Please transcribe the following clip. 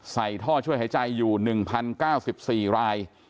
ใส่ท่อช่วยหายใจอยู่๑๐๙๔ราย